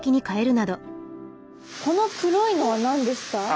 この黒いのは何ですか？